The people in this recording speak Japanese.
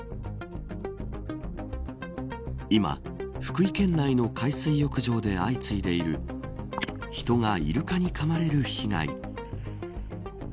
今、福井県内の海水浴場で相次いでいる人がイルカにかまれる被害。